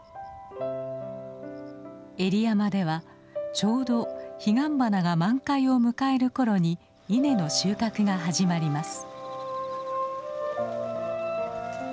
江里山ではちょうどヒガンバナが満開を迎えるころに稲の収穫が始まります。